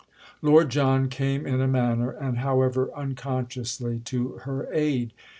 Lord John came in a manner, and however unconsciously, to her aid.